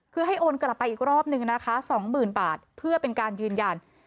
คือให้โอนกลับไปอีกรอบนึงนะคะ๒๐๐๐บาทเพื่อเป็นการยืนยัน